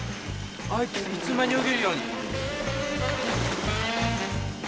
あいついつの間に泳げるように？